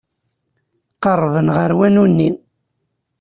Qerrben ɣer wanu-nni.